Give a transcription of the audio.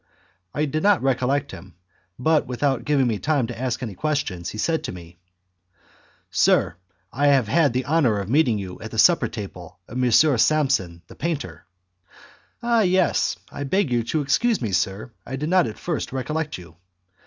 I did not recollect him, but, without giving me time to ask any questions, he said to me, "Sir, I have had the honour of meeting you at the supper table of M. Samson, the painter." "Ah! yes; I beg you to excuse me, sir, I did not at first recollect you."